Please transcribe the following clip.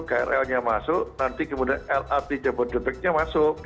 krlnya masuk nanti kemudian lrt jabodetabeknya masuk